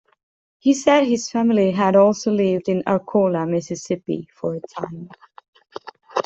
He said his family had also lived in Arcola, Mississippi, for a time.